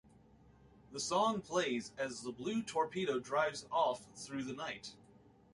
The song plays as the Blue Torpedo drives off through the night.